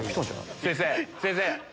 先生先生。